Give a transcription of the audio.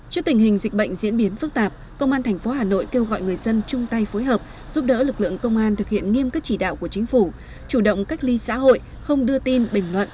trước tình hình dịch bệnh diễn biến phức tạp công an tp hà nội kêu gọi người dân chung tay phối hợp giúp đỡ lực lượng công an thực hiện nghiêm cất chỉ đạo của chính phủ chủ động cách ly xã hội không đưa tin bình luận